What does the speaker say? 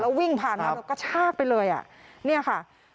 เราวิ่งผ่านเขาก็ชากไปเลยอ่ะเนี่ยค่ะ